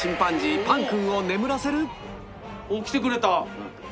おお来てくれた。